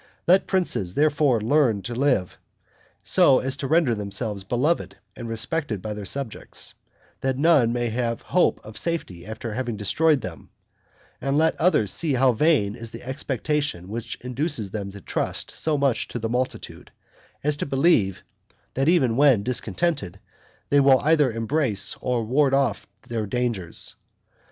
Let princes therefore learn to live, so as to render themselves beloved and respected by their subjects, that none may have hope of safety after having destroyed them; and let others see how vain is the expectation which induces them to trust so much to the multitude, as to believe, that even when discontented, they will either embrace or ward off their dangers.